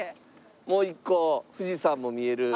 もう１個富士山も見える所が。